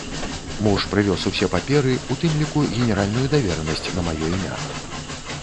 Муж прывёз усе паперы, у тым ліку генеральную даверанасць на маё імя.